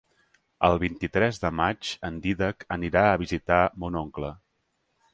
El vint-i-tres de maig en Dídac anirà a visitar mon oncle.